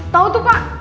tau tuh pak